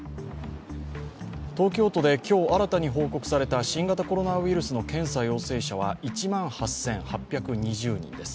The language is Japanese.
東京都で今日、新たに報告された新型コロナウイルスの検査陽性者は１万８８２０人です。